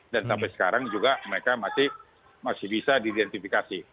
dan sampai sekarang juga mereka masih bisa diidentifikasi